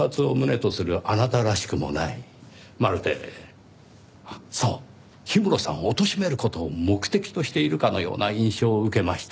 まるでそう氷室さんをおとしめる事を目的としているかのような印象を受けました。